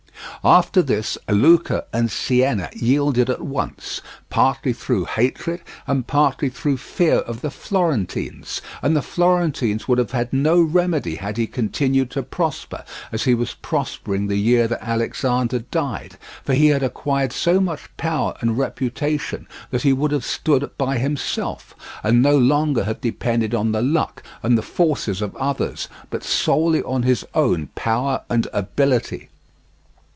After this, Lucca and Siena yielded at once, partly through hatred and partly through fear of the Florentines; and the Florentines would have had no remedy had he continued to prosper, as he was prospering the year that Alexander died, for he had acquired so much power and reputation that he would have stood by himself, and no longer have depended on the luck and the forces of others, but solely on his own power and ability.